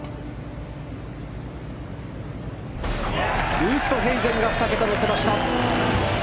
ウーストヘイゼンが２桁に乗せました。